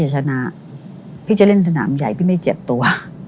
ชนะพี่จะเล่นสนามใหญ่พี่ไม่เจ็บตัว